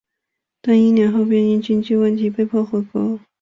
但一年后便因经济问题被迫回国。